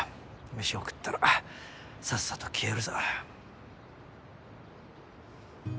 飯を食ったらさっさと消えるさ。